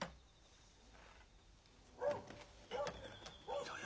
見ろよ